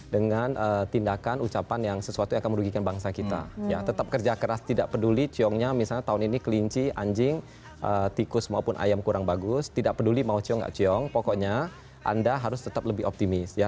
dengan tindakan ucapan yang sesuatu yang akan merugikan bangsa kita tetap kerja keras tidak peduli ciongnya misalnya tahun ini kelinci anjing tikus maupun ayam kurang bagus tidak peduli mau ciong tidak ciong pokoknya anda harus tetap lebih optimis